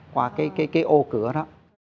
qua cái ô cửa đó